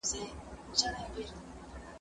دا انځورونه له هغه ښايسته دي؟!